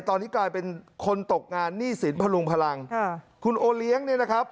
ตอนที่กลายเป็นคนตกงานหนี้สินพลุงพลังคุณโอเลี้ยง